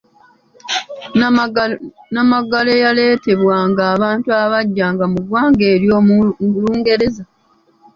Nnamagalo eyaleetebwanga abantu abajjanga mu ggwanga eryo mu lungereza.